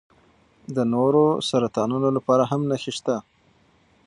د نورو سرطانونو لپاره هم نښې شته.